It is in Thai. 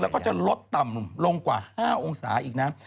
แล้วก็จะลดต่ำลงกว่า๕องศาอีกนะ